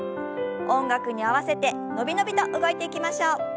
音楽に合わせて伸び伸びと動いていきましょう。